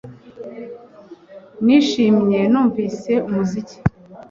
Nishimye numvise umuziki